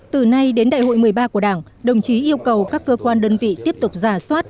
từ nay đến đại hội một mươi ba của đảng đồng chí yêu cầu các cơ quan đơn vị tiếp tục giả soát